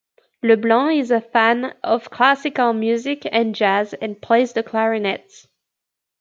Leblanc is a fan of classical music and jazz and plays the clarinet.